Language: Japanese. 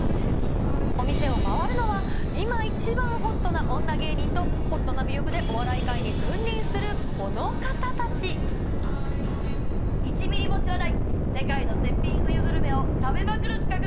お店を回るのは今一番ＨＯＴな女芸人と、ホットな魅力でお笑い界１ミリも知らない世界の絶品冬グルメを食べまくる企画。